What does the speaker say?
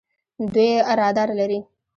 دوی رادار لري.